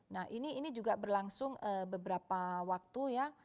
nah ini juga berlangsung beberapa waktu ya